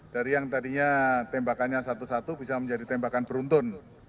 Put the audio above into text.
dari yang tadinya tembakannya satu satu bisa menjadi tembakan beruntun